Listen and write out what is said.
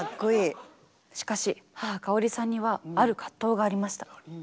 しかし母香織さんにはある葛藤がありました。